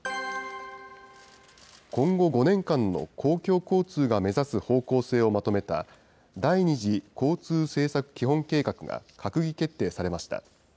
今後５年間の公共交通が目指す方向性をまとめた、第２次交通政策基本計画が閣議決定されました。